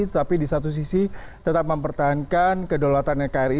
tetapi di satu sisi tetap mempertahankan kedaulatan nkri